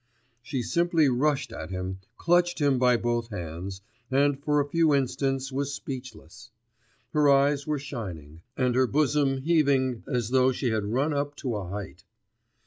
She simply rushed at him, clutched him by both hands, and for a few instants was speechless; her eyes were shining, and her bosom heaving as though she had run up to a height.